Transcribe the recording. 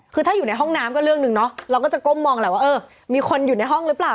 คือถ้าอยู่ในห้องน้ำก็เรื่องหนึ่งเนาะเราก็จะก้มมองแหละว่าเออมีคนอยู่ในห้องหรือเปล่า